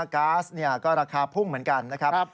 ก๊าซก็ราคาพุ่งเหมือนกันนะครับ